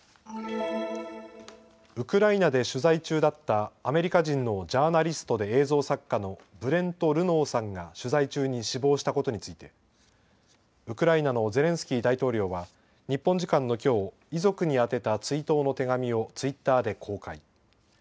ウクライナで取材中だったアメリカ人のジャーナリストで映像作家のブレント・ルノーさんが取材中に死亡したことについてウクライナのゼレンスキー大統領は日本時間のきょう、遺族に宛てた追悼の手紙をツイッターで公開。